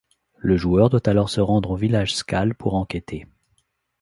Le joueur doit alors se rendre au village Skaal pour enquêter.